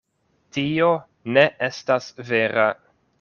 Tio ne estas vera.